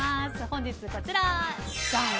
本日、こちら。